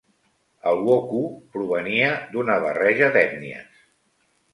El wokou provenia d'una barreja d'ètnies.